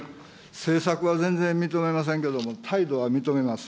政策は全然認めませんけども、態度は認めます。